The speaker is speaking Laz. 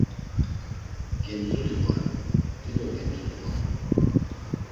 Gemzuli vore, dido gemzuli vore.